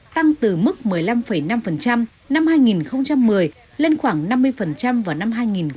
tăng từ mức một mươi năm năm năm hai nghìn một mươi lên khoảng năm mươi vào năm hai nghìn hai mươi